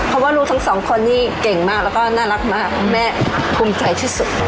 เพราะว่าลูกทั้งสองคนนี้เก่งมากแล้วก็น่ารักมากแม่ภูมิใจที่สุด